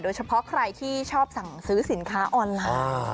โดยเฉพาะใครที่ชอบสั่งซื้อสินค้าออนไลน์